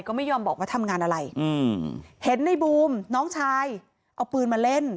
ก็ไม่ยอมบอกว่าทำงานอะไรอืมเห็นในบูมน้องชายเอาปืนมาเล่น